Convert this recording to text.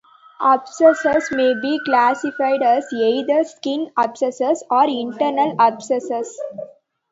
Abscesses may be classified as either "skin abscesses" or "internal abscesses".